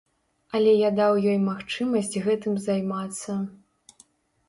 Але я даў ёй магчымасць гэтым займацца.